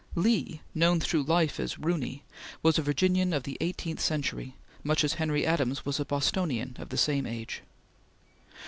Lee, known through life as "Roony," was a Virginian of the eighteenth century, much as Henry Adams was a Bostonian of the same age.